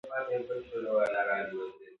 وې ئې چې ډاکټر راته فلکس ګولۍ ليکلي دي -